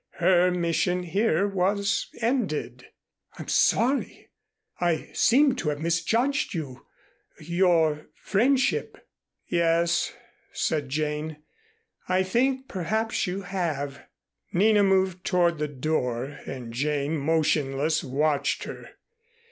Her mission here was ended. "I'm sorry. I seem to have misjudged you your friendship." "Yes," said Jane. "I think perhaps you have." Nina moved toward the door, and Jane, motionless, watched her.